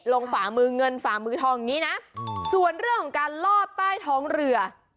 ฝ่ามือเงินฝ่ามือทองอย่างนี้นะส่วนเรื่องของการลอดใต้ท้องเรือ